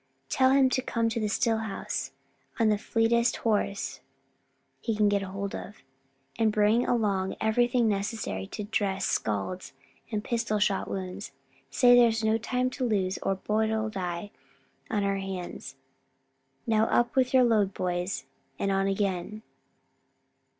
Tell him to come to the still house on the fleetest horse he can get hold of; and bring along everything necessary to dress scalds and pistol shot wounds. Say there's no time to lose or Boyd'll die on our hands. Now up with your load, boys, and on again."